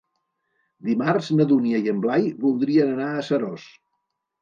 Dimarts na Dúnia i en Blai voldrien anar a Seròs.